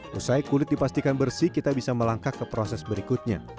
setelah kulit dipastikan bersih kita bisa melangkah ke proses berikutnya